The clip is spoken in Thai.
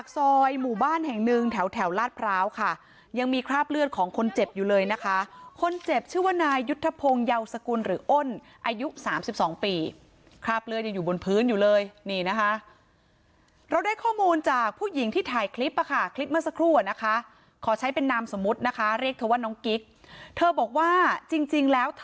ซอยหมู่บ้านแห่งหนึ่งแถวแถวลาดพร้าวค่ะยังมีคราบเลือดของคนเจ็บอยู่เลยนะคะคนเจ็บชื่อว่านายยุทธพงศ์เยาวสกุลหรืออ้นอายุ๓๒ปีคราบเลือดยังอยู่บนพื้นอยู่เลยนี่นะคะเราได้ข้อมูลจากผู้หญิงที่ถ่ายคลิปอ่ะค่ะคลิปเมื่อสักครู่อะนะคะขอใช้เป็นนามสมมุตินะคะเรียกเธอว่าน้องกิ๊กเธอบอกว่าจริงแล้วท